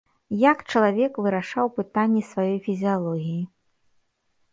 Як чалавек вырашаў пытанні сваёй фізіялогіі.